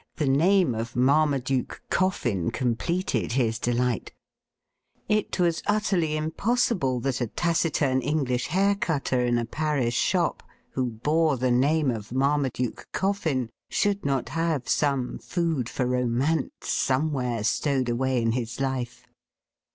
The name of Marmaduke Coffin completed his delight. It was utterly impossible that a taciturn English hair cutter, in a Paris shop, who bore the name of Marmaduke Coffin, should not have some food for romance somewhere stowed 76 THE RIDDLE RING away in his life.